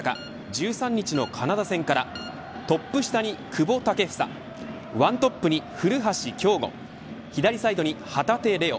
１３日のカナダ戦からトップ下に久保建英ワントップに古橋亨梧左サイドに旗手怜央